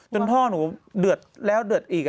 พ่อหนูเดือดแล้วเดือดอีก